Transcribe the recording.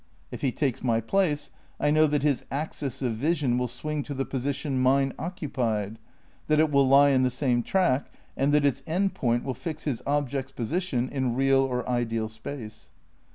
If he takes my place I know that his axis of vision will swing to the position mine occu pied, that it will lie in the same track and that its end point will fix his object's position in real or ideal space.